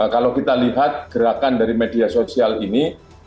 kalau kita lihat gerakan dari media sosial ini